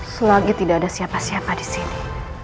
selagi tidak ada siapa siapa disini